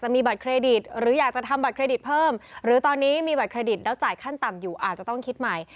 มีบัตรเครดิตแล้วจ่ายขั้นต่ำอยู่อาจจะต้องคิดใหม่